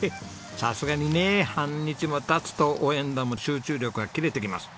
さすがにね半日も経つと応援団も集中力が切れてきます。